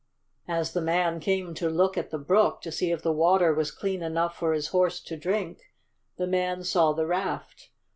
As the man came to look at the brook, to see if the water was clean enough for his horse to drink, the man saw the raft.